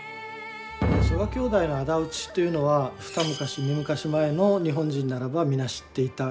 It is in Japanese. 曽我兄弟の仇討ちというのは二昔三昔前の日本人ならば皆知っていた。